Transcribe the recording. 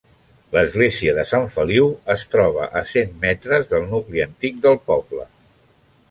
L'església de Sant Feliu es troba a cent metres del nucli antic del poble.